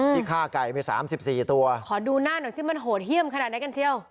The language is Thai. ที่ฆ่าไก่ไป๓๔ตัวขอดูหน้าหน่อยสิมันโหดเยี่ยมขนาดไหนกันเชียว